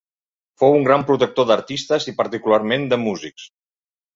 Fou un gran protector d'artistes i particularment de músics.